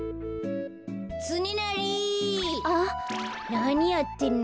なにやってんの？